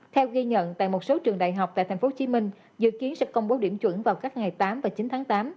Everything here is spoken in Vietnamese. theo ghi nhận tại một số trường đại học tại tp hcm dự kiến sẽ công bố điểm chuẩn vào các ngày tám và chín tháng tám